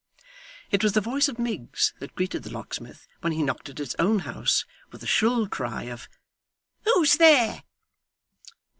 It was the voice of Miggs that greeted the locksmith, when he knocked at his own house, with a shrill cry of 'Who's there?